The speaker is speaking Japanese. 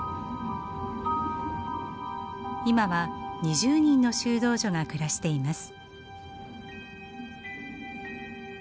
今は２０人の修道女が暮らしています。